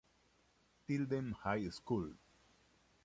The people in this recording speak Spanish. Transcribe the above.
Tilden High School